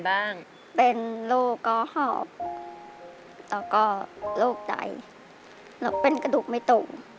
แล้วก็เป็นกระดูกไม่ตรง